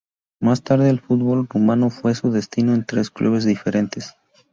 Más tarde el fútbol rumano fue su destino en tres clubes diferentes.